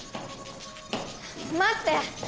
待って！